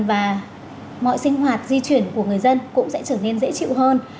và mọi sinh hoạt di chuyển của người dân cũng sẽ trở nên dễ chịu hơn